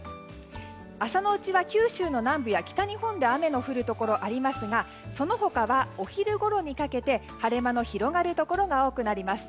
朝のうちは九州の南部や北日本で雨の降るところありますがその他はお昼ごろにかけて晴れ間の広がるところが多くなります。